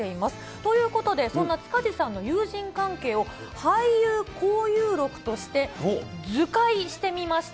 ということで、そんな塚地さんの友人関係を俳優交友録として、図解してみました。